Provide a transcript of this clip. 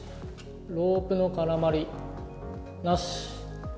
ロープの絡まり、なし。